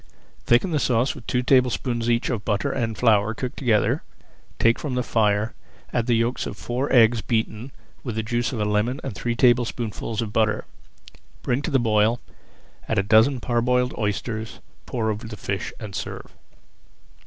Thicken the sauce with two tablespoonfuls each of butter and flour cooked together, take from the fire, add the yolks of four eggs beaten with the juice of a lemon and three tablespoonfuls of butter. Bring to the boil, add a dozen parboiled oysters, pour over the fish, and serve.